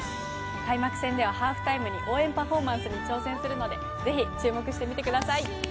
開幕戦ではハーフタイムに応援パフォーマンスに挑戦するので、ぜひ注目してみてください。